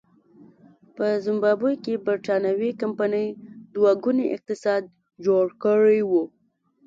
په زیمبابوې کې برېټانوۍ کمپنۍ دوه ګونی اقتصاد جوړ کړی و.